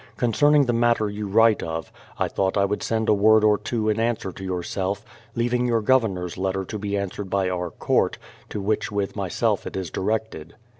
Concerning the matter you write of, I thought I would send a word or two in answer to yourself, leaving your Governor's letter to be answered by our court, to which with myself it is directed.